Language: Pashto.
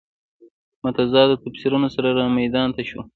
متضادو تفسیرونو سره رامیدان ته شو.